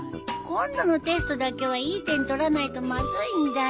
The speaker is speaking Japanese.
今度のテストだけはいい点取らないとまずいんだよ。